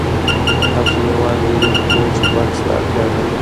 تاسو یوازې یو پوسټ بکس ته اړتیا لرئ